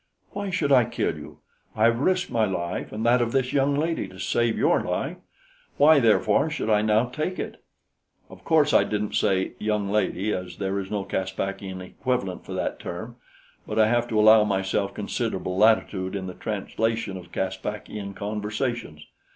"Why should I kill you? I have risked my life and that of this young lady to save your life. Why, therefore should I now take it?" Of course, I didn't say "young lady" as there is no Caspakian equivalent for that term; but I have to allow myself considerable latitude in the translation of Caspakian conversations.